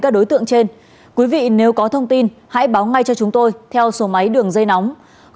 các đối tượng trên quý vị nếu có thông tin hãy báo ngay cho chúng tôi theo số máy đường dây nóng